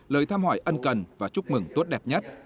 lời thăm hỏi ân cần và chúc mừng tốt đẹp nhất